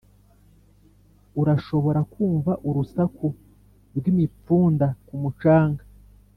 urashobora kumva urusaku rw'imipfunda ku mucanga?